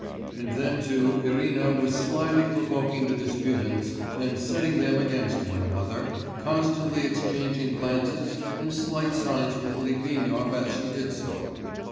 And then too Irina was slily provoking the disputants and setting them against one another, constantly exchanging glances and slight signs with Litvinov as she did so....